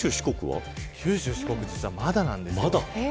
九州、四国はまだなんです。